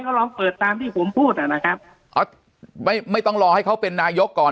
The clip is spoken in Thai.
ก็ลองเปิดตามที่ผมพูดอ่ะนะครับเขาไม่ไม่ต้องรอให้เขาเป็นนายกก่อน